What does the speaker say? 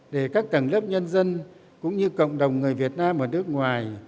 để các tầng lớp nhân dân cũng như cộng đồng người việt nam ở nước ngoài